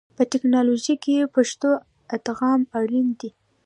په ټکنالوژي کې پښتو ادغام اړین دی.